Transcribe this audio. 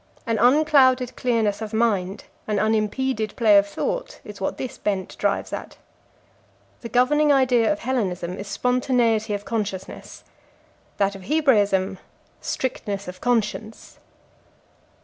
An unclouded clearness of mind, an unimpeded play of thought, is what this bent drives at. The governing idea of Hellenism is spontaneity of consciousness; that of Hebraism, strictness of conscience.